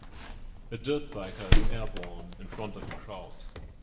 A dirt biker is airborne in front of a crowd